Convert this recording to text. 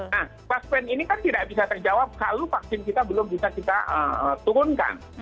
nah vaksin ini kan tidak bisa terjawab kalau vaksin kita belum bisa kita turunkan